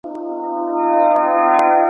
يوې ښځي خو رښتيا ويلي ول